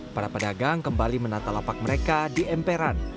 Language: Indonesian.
para pedagang kembali menata lapak mereka di emperan